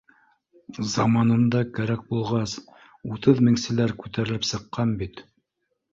Заманында, кәрәк булғас, утыҙ меңселәр күтәрелеп сыҡ ҡан бит